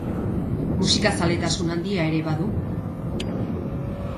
Musikazaletasun handia ere badu.